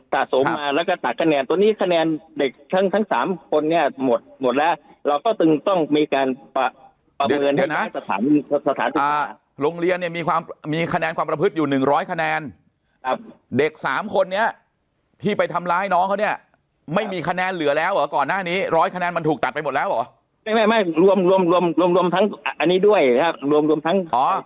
สะสมมาแล้วก็ตัดคะแนนตัวนี้คะแนนเด็กทั้งทั้งสามคนเนี่ยหมดหมดแล้วเราก็ตึงต้องมีการประเมินใช่ไหมโรงเรียนเนี่ยมีความมีคะแนนความประพฤติอยู่หนึ่งร้อยคะแนนครับเด็กสามคนนี้ที่ไปทำร้ายน้องเขาเนี่ยไม่มีคะแนนเหลือแล้วเหรอก่อนหน้านี้ร้อยคะแนนมันถูกตัดไปหมดแล้วเหรอรวมรวมทั้งอันนี้ด้วยนะครับรวมรวมทั้งขอ